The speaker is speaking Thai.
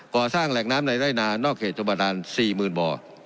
ก่อสร้างแหล่งน้ำในไร่นานอกเหตุจุบันดาล๔๐๐๐บ่อ